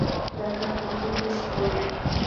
دا کار هر سوک نشي کواى.